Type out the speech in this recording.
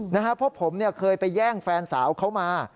เพราะผมเคยไปแย่งแฟนสาวเขามา